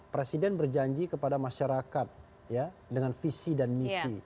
presiden berjanji kepada masyarakat dengan visi dan misi